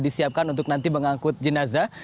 disiapkan untuk nanti mengangkut jenazah